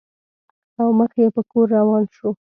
او مخ په کور روان شو.